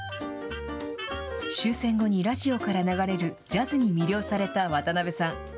終戦後にラジオから流れるジャズに魅了された渡辺さん。